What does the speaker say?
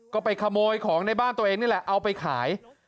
ก็ไปขโมยของในบ้านตัวเองนี่แหละเอาไปขาย